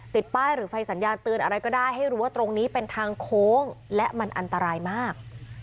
ติดป้ายหรือไฟสัญญาณเตือนอะไรก็ได้ให้รู้ว่าตรงนี้เป็นทางโค้งและมันอันตรายมาก